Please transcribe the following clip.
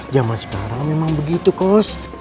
zaman sekarang memang begitu kos